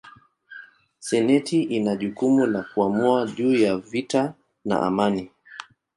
Senati ina jukumu la kuamua juu ya vita na amani.